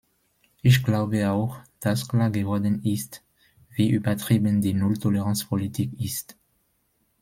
Ich glaube auch, dass klar geworden ist, wie übertrieben die Null-Toleranz-Politik ist.